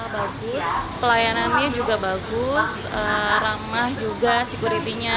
bagus pelayanannya juga bagus ramah juga security nya